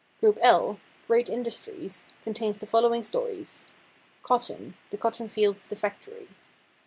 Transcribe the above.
Group L, "Great Industries," contains the following stories: Cotton the cotton fields; the factory.